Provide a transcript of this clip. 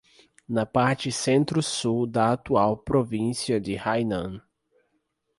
Na parte centro-sul da atual província de Hainan.